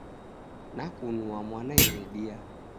Nakunua mwana iridia.